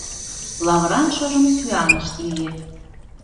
Лавыран шыжым сӱанышт лие.